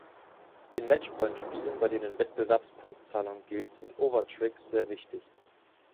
In Matchpoint-Spielen, bei denen Wettbewerbspunktzahlung gilt, sind Overtricks sehr wichtig.